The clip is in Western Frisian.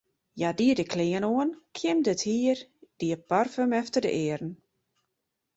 Hja die de klean oan, kjimde it hier, die parfum efter de earen.